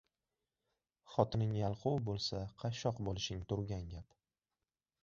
– xotining yalqov bo‘lsa qashshoq b'lishing turgan gap;